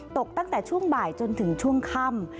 ตกตั้งแต่ช่วงบ่ายจนถึงช่วงค่ำ